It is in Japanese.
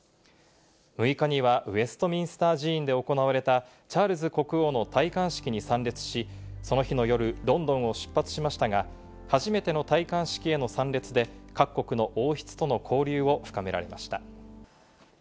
６日にはウェストミンスター寺院で行われたチャールズ国王の戴冠式に参列し、その日の夜、ロンドンを出発しましたが、初めての戴冠式への参列で、各国の王室との交流を深められました。